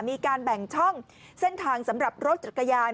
มีการแบ่งช่องเส้นทางสำหรับรถจักรยาน